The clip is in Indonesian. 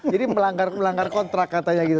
jadi melanggar kontrak katanya gitu